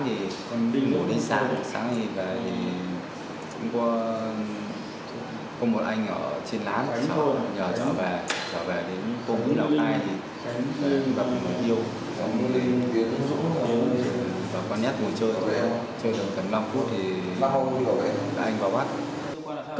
và quan nhát ngồi chơi chơi được gần năm phút thì anh vào bắt